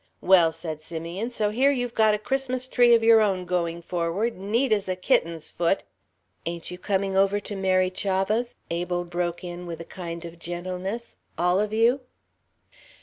"Well," said Simeon, "and so here you've got a Christmas of your own going forward, neat as a kitten's foot " "Ain't you coming over to Mary Chavah's?" Abel broke in with a kind of gentleness. "All of you?"